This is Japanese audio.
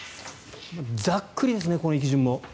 ざっくりですね、この行き順も。